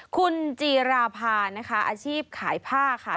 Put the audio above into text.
คุณจีราภานะคะอาชีพขายผ้าค่ะ